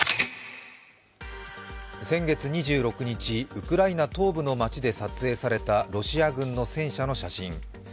先月２６日、ウクライナの東部の街で撮影されたロシア軍の戦車の写真。